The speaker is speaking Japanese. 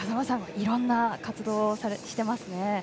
いろいろな活動をしていますね。